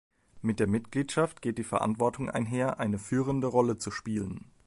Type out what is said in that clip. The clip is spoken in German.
Mit der Mitgliedschaft geht die Verantwortung einher, eine führende Rolle zu spielen.